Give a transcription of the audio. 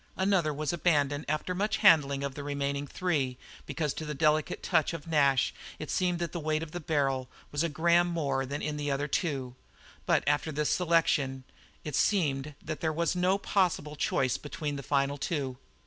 Another was abandoned after much handling of the remaining three because to the delicate touch of Nash it seemed that the weight of the barrel was a gram more than in the other two; but after this selection it seemed that there was no possible choice between the final two.